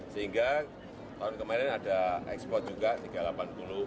sehingga tahun kemarin ada ekspor juga tiga ratus delapan puluh ribu ton inputnya satu ratus delapan puluh